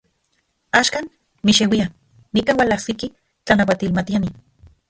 Axkan, mixeuia, nikan ualajsiki tlanauatilmatiani.